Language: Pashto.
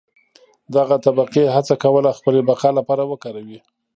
دغه طبقې هڅه کوله خپلې بقا لپاره وکاروي.